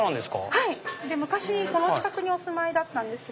はい昔この近くにお住まいだったんです。